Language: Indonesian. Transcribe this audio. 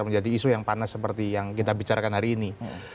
menjadi isu yang panas seperti yang kita bicarakan hari ini